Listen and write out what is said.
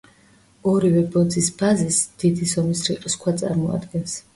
ორივე ბოძის ბაზისს დიდი ზომის რიყის ქვა წარმოადგენს.